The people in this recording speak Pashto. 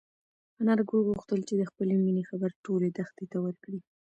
انارګل غوښتل چې د خپلې مېنې خبر ټولې دښتې ته ورکړي.